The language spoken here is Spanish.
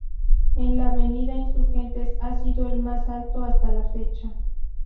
En la Avenida Insurgentes ha sido el más alto hasta la fecha.